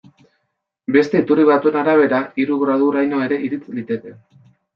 Beste iturri batzuen arabera, hiru graduraino ere irits liteke.